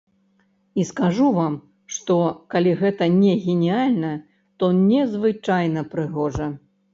І, скажу вам, што, калі гэта не геніяльна, то незвычайна прыгожа!